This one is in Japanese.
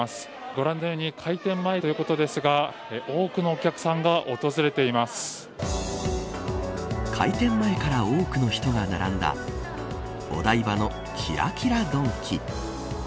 ご覧のように開店前ということですが開店前から多くの人が並んだお台場のキラキラドンキ。